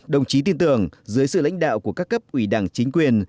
đồng chí tin tưởng dưới sự lãnh đạo của các cấp ủy đảng chính quyền